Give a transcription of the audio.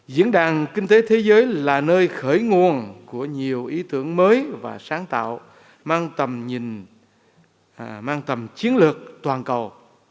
diễn đàn kinh tế thế giới là nơi khởi nguồn của nhiều ý tưởng mới và sáng tạo mang tầm chiến lược toàn cầu